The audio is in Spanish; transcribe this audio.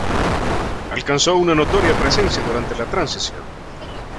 Alcanzó una notoria presencia durante la transición.